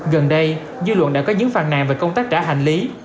gần đây dư luận đã có những phàn nàn về công tác trả hành lý